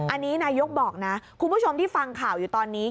อันนี้นายกบอกนะคุณผู้ชมที่ฟังข่าวอยู่ตอนนี้